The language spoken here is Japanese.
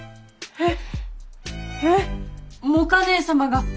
えっ！